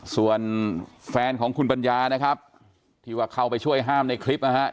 ส่วนแฟนของคุณปัญญานะครับที่ว่าเข้าไปช่วยห้ามในคลิปนะครับ